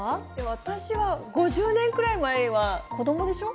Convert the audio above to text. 私は５０年くらい前は子どもでしょ？